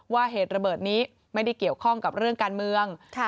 เหตุระเบิดนี้ไม่ได้เกี่ยวข้องกับเรื่องการเมือง